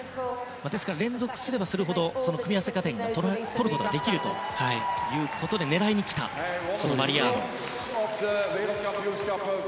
連続すればするほどその組み合わせ加点を取ることができるということで狙いにきたマリアーノ。